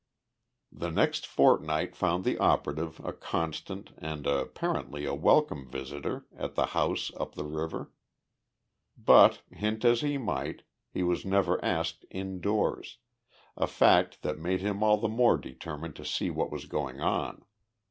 The next fortnight found the operative a constant and apparently a welcome visitor at the house up the river. But, hint as he might, he was never asked indoors a fact that made him all the more determined to see what was going on.